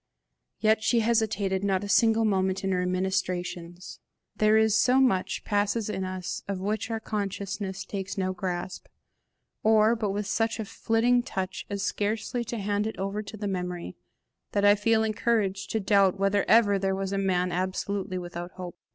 Yet she hesitated not a single moment in her ministrations. There is so much passes in us of which our consciousness takes no grasp, or but with such a flitting touch as scarcely to hand it over to the memory that I feel encouraged to doubt whether ever there was a man absolutely without hope.